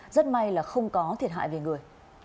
rất may là không có thiệt hại về người